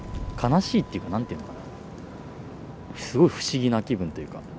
悲しいっていうか何ていうのかなすごい不思議な気分というか。